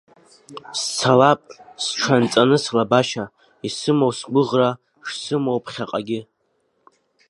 Сцалап, сҽанҵа слабашьа, исымоу сгәыӷра, шсымоу ԥхьаҟагьы.